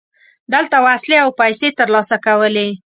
دلته وسلې او پیسې ترلاسه کولې.